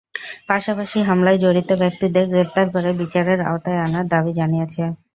পাশাপাশি হামলায় জড়িত ব্যক্তিদের গ্রেপ্তার করে বিচারের আওতায় আনার দাবি জানিয়েছে।